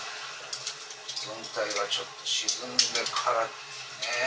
全体が、ちょっと沈んでからですね。